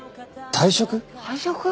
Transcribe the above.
退職！？